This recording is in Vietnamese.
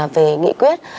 về nghị quyết